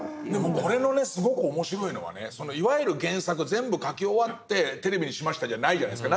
でもこれのすごく面白いのはねいわゆる原作は全部描き終わってテレビにしましたじゃないじゃないですか。